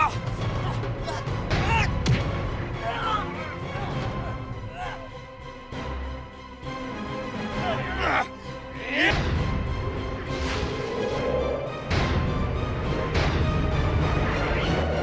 aku ingin ketemu ada apa yang estaru ada di sini